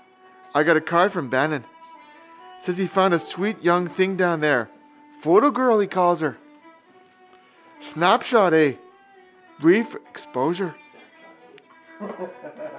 I got a card from Bannon. Says he found a sweet young thing down there. Photo girl he calls her. —Snapshot, eh? Brief exposure.